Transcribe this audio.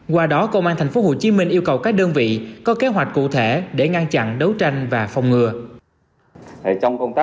qua đó công an tp hcm yêu cầu các đơn vị có kế hoạch cụ thể để ngăn chặn đấu tranh và phòng ngừa